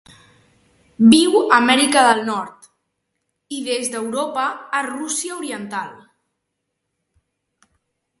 Viu a Amèrica del Nord, i des d'Europa a Rússia oriental.